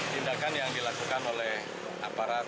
tindakan yang dilakukan oleh aparat